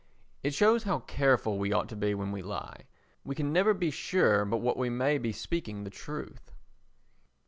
It shows how careful we ought to be when we lie—we can never be sure but what we may be speaking the truth.